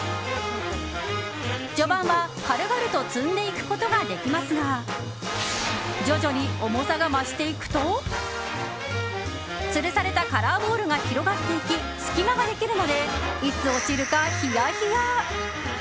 序盤は軽々と積んでいくことができますが徐々に重さが増していくとつるされたカラーボールが広がっていき隙間ができるのでいつ落ちるか、ひやひや。